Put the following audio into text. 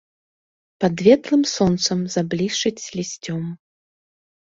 Пад ветлым сонцам заблішчыць лісцём.